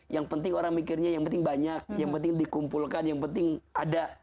yang penting orang mikirnya yang penting banyak yang penting dikumpulkan yang penting ada